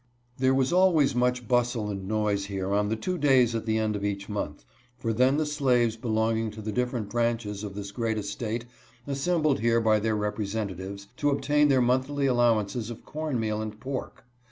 There was always much bustle and noise here on the two days at the end of each month, for then the slaves belonging to the different branches of this great estate assembled here by their representatives, to obtain their monthly allowances of corn meal and pork.